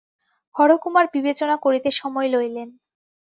হরকুমার বিবেচনা করিতে সময় লইলেন।